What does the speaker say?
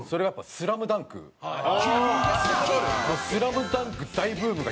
『ＳＬＡＭＤＵＮＫ』大ブームがきまして。